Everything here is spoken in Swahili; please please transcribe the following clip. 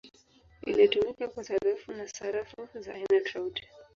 Ilitumika kwa sarafu na sarafu za aina tofauti.